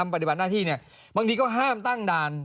ปฏิบัติหน้าที่เนี่ยบางทีก็ห้ามตั้งด่าน